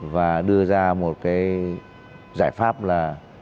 và đưa ra một cái giải pháp là